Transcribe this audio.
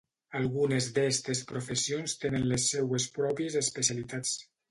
Algunes d'estes professions tenen les seues pròpies especialitats.